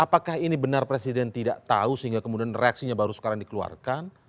apakah ini benar presiden tidak tahu sehingga kemudian reaksinya baru sekarang dikeluarkan